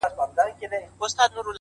د واه ، واه يې باندي جوړ كړل بارانونه!!